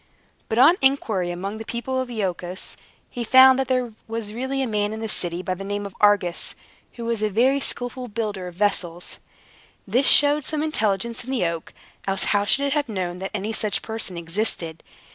But on inquiry among the people of Iolchos, he found that there was really a man in the city, by the name of Argus, who was a very skilful builder of vessels. This showed some intelligence in the oak; else how should it have known that any such person existed?